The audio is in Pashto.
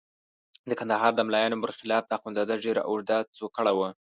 د کندهار د ملایانو برخلاف د اخندزاده ږیره اوږده څوکړه وه.